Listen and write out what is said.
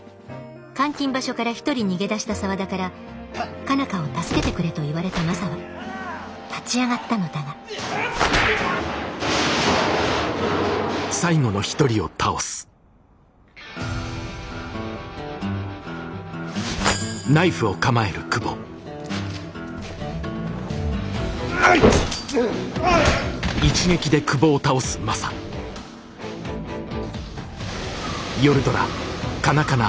監禁場所から一人逃げ出した沢田から佳奈花を助けてくれと言われたマサは立ち上がったのだがカナ！